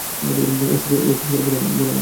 Ashok sir, বলেন না।